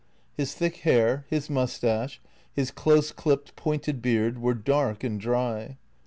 His thick hair, his moustache, his close clipped, pointed beard, were dark and dry.